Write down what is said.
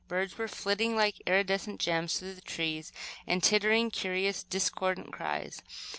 Birds were flitting like iridescent gems through the trees, and tittering curious discordant cries.